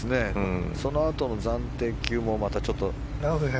そのあとの暫定球もまたちょっと。